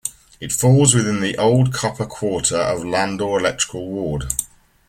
It falls within the old copper quarter of Landore electoral ward.